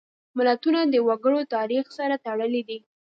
متلونه د وګړو د تاریخ سره تړلي دي